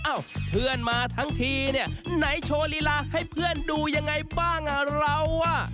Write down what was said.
เอ้าเพื่อนมาทั้งทีเนี่ยไหนโชว์ลีลาให้เพื่อนดูยังไงบ้างอ่ะเราอ่ะ